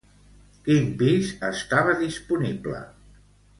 Quin pis estava disponible?